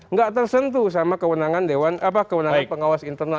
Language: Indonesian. nggak tersentuh sama kewenangan dewan kewenangan pengawas internal